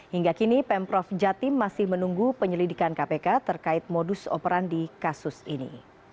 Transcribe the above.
hingga kini pemprov jatim masih menunggu penyelidikan kpk terkait modus operandi kasus ini